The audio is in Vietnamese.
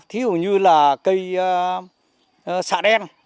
thí dụ như là cây xạ đen